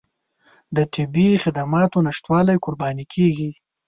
د طبي خدماتو نشتوالي قرباني کېږي.